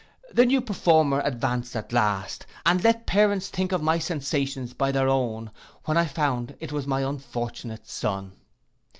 The new performer advanced at last, and let parents think of my sensations by their own, when I found it was my unfortunate son.